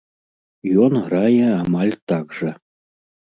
Ён грае амаль так жа.